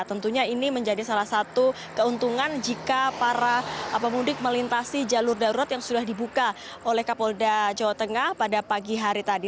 tentunya ini menjadi salah satu keuntungan jika para pemudik melintasi jalur darurat yang sudah dibuka oleh kapolda jawa tengah pada pagi hari tadi